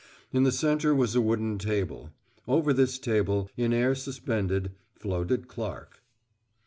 In the centre was a wooden table. Over this table, in air suspended, floated Clark.